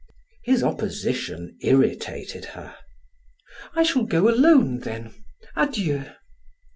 His opposition irritated her. "I shall go alone, then. Adieu!"